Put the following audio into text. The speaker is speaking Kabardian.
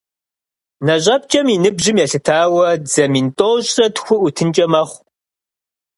НэщIэпкIэм и ныбжьым елъытауэ, дзэ мин тIощIрэ тху IутынкIэ мэхъу.